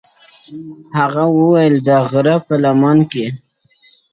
هغه ويل د هغه غره لمن کي!.